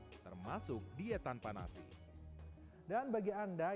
mulai mengurangkan kandungasa yang dibawa membuat serata kering ada daya pengembangan